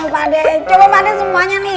pak de coba pak de semuanya nih